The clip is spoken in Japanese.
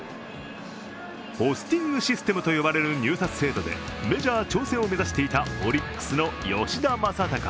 ポスティングシステムと呼ばれる入札制度でメジャー挑戦を目指していたオリックスの吉田正尚。